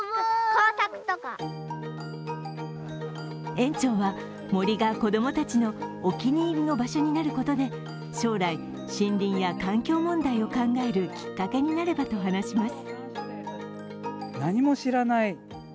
園長は、森が子供たちのお気に入りの場所になることで将来、森林や環境問題を考えるきっかけになればと話します。